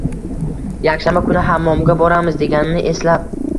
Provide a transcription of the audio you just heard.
yakshanba kuni hammomga boramiz» deganini eslab